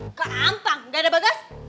gampang gak ada bagas